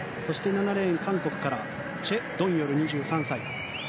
７レーン、韓国からチェ・ドンヨル、２３歳。